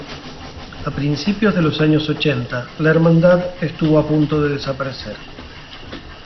A principios de los años ochenta, la Hermandad estuvo a punto de desaparecer.